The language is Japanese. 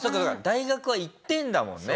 大学は行ってるんだもんね